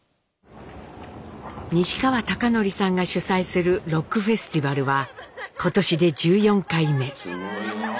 西川貴教さんが主催するロックフェスティバルは今年で１４回目。